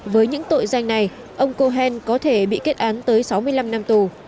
với những tội danh này ông cohen có thể bị kết án tới sáu mươi năm năm tù